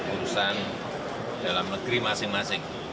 urusan dalam negeri masing masing